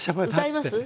歌います？